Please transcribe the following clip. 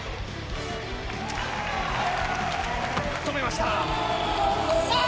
止めました。